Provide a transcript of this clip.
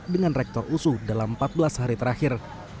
dengan rektor usu dalam empat belas hari terakhir